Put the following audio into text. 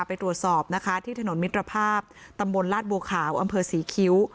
ไปตรวจสอบนะคะที่ถนนมิตรภาพตำบลลาดบัวขาวอำเภอศรีคิ้ว